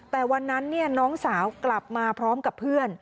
แต่วันนั้นน้องสาวกลับมาพร้อมกับเพื่อน